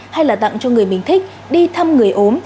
hay là tặng cho người mình thích đi thăm người ốm